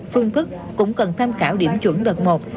phương thức cũng cần tham khảo điểm chuẩn đợt một